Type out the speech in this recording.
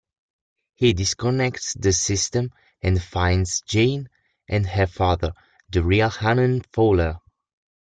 He disconnects the system and finds Jane and her father, the real Hannon Fuller.